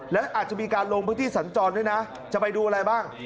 และอาจจะมีการลงพื้นที่สัญจรด้วยนะจะไปดูอะไรบ้าง